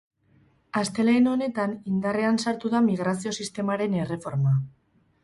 Astelehen honetan indarrean sartu da migrazio sistemaren erreforma.